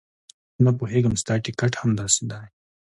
نه پوهېږم ستا ټیکټ همداسې دی.